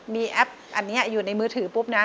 มีแอปอันนี้อยู่ในมือถือปุ๊บนะ